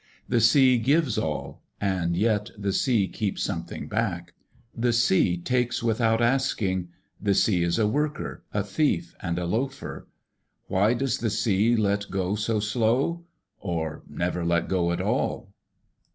The sea gives all, and yet the sea keeps something back. The sea takes without asking. The sea is a worker, a thief and a loafer. Why does the sea let go so slow? Or never let go at all?